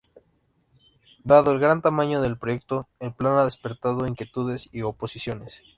Dado el gran tamaño del proyecto, el plan ha despertado inquietudes y oposiciones.